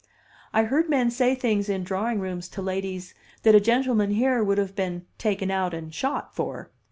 I heard men say things in drawing rooms to ladies that a gentleman here would have been taken out and shot for.